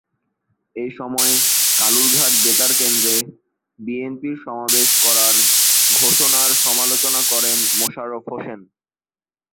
এ সময় কালুরঘাট বেতারকেন্দ্রে বিএনপির সমাবেশ করার ঘোষণার সমালোচনা করেন মোশাররফ হোসেন।